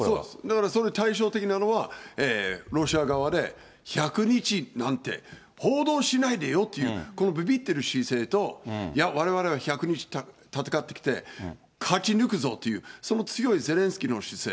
それで対照的なのは、ロシア側で、１００日なんて、報道しないでよっていう、このびびってる姿勢と、いや、われわれは１００日戦ってきて、勝ち抜くぞっていう、その強いゼレンスキーの姿勢。